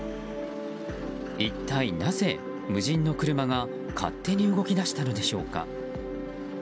一体なぜ無人の車が勝手に動き出したのでしょうか。